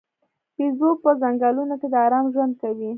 بیزو په ځنګلونو کې د آرام ژوند کوي.